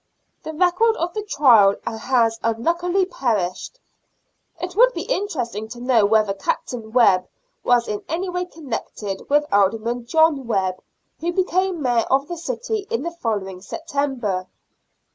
The record of the trial has unluckily perished. It would be interesting to know whether Captain Webb was BRISTOL FAIR. 113 in any way connected with Alderman John Webb, who became Mayor of the city in the following September.